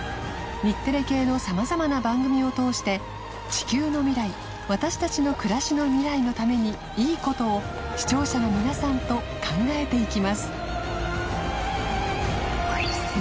さまざまな番組を通して狼紊量ね私たちの暮らしの未来のためにいい海箸視聴者の皆さんと考えていきます